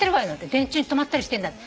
電柱に止まったりしてるんだって。